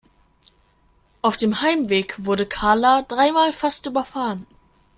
Auf dem Heimweg wurde Karla dreimal fast überfahren.